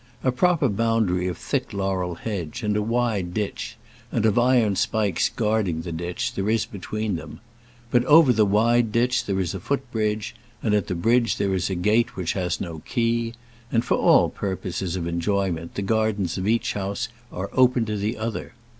A proper boundary of thick laurel hedge, and wide ditch, and of iron spikes guarding the ditch, there is between them; but over the wide ditch there is a foot bridge, and at the bridge there is a gate which has no key; and for all purposes of enjoyment the gardens of each house are open to the other.